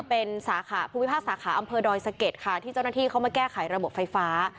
เป็นสาขาภูมิภาคสาขาอำเภอดอยสะเก็ดค่ะที่เจ้าหน้าที่เข้ามาแก้ไขระบบไฟฟ้า